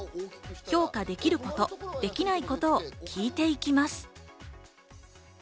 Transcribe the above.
評価できること、できないことを聞いていきます。